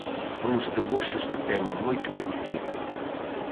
Uns debuxos que teñen moito que dicir.